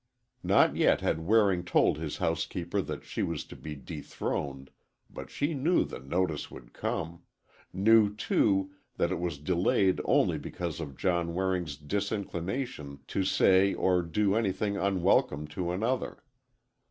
Not yet had Waring told his housekeeper that she was to be dethroned but she knew the notice would come,—knew, too, that it was delayed only because of John Waring's disinclination to say or do anything unwelcome to another.